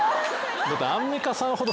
だってアンミカさんほど。